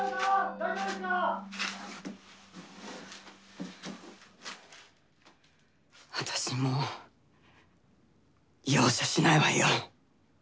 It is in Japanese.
・大丈夫ですか！私もう容赦しないわよ。